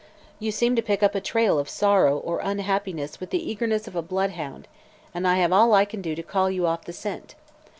You seem to pick up a trail of sorrow or unhappiness with the eagerness of a bloodhound and I have all I can do to call you off the scent.